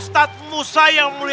ustadz musa yang mulai